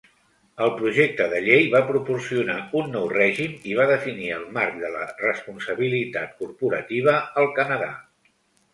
El projecte de llei va proporcionar un nou règim i va definir el marc de la responsabilitat corporativa al Canadà.